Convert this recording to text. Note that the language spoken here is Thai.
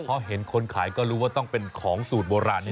เพราะเห็นคนขายก็รู้ว่าต้องเป็นของสูตรโบราณ